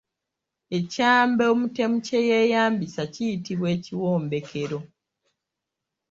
Ekyambe omutemu kye yeeyambisa kiyitibwa Ekiwombekero.